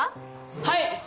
はい。